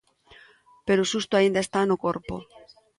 Pero o susto aínda está no corpo.